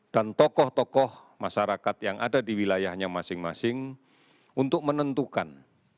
dan tokoh tokoh masyarakat yang ada di wilayahnya masing masing untuk menentukan